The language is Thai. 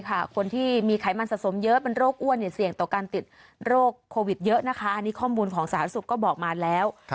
อันนี้ข้อมูลของสหรัฐสุขก็บอกมาแล้ว